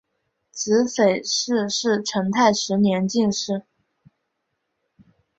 子裴栻是成泰十年进士。